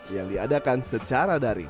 yang diadakan secara daring